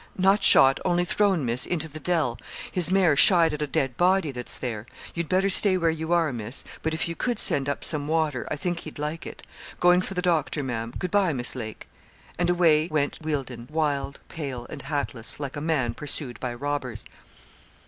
'Not shot; only thrown, Miss, into the Dell; his mare shied at a dead body that's there. You'd better stay where you are, Miss; but if you could send up some water, I think he'd like it. Going for the doctor, Ma'am; good bye, Miss Lake.' And away went Wealdon, wild, pale, and hatless, like a man pursued by robbers.